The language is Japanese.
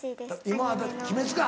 今は『鬼滅』か。